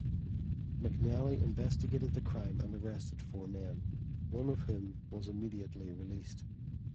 McNelly investigated the crime and arrested four men, one of whom was immediately released.